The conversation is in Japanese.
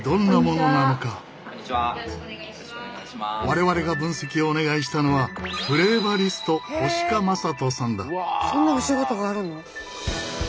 我々が分析をお願いしたのはそんなお仕事があるの？